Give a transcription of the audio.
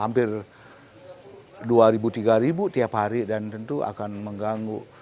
ya ampir dua ribu tiga ribu tiap hari tentu akan mengganggu